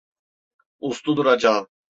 Uslu duracağım.